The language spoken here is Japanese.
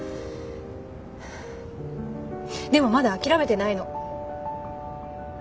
でもまだ諦めてないの。